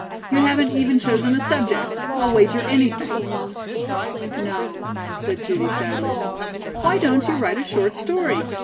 You haven't even chosen a subject, I'll wager anything." "No," said Judy sadly. "Why don't you write a short story?